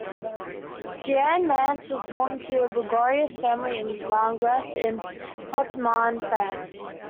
Jeanne Mance was born into a bourgeois family in Langres, in Haute-Marne, France.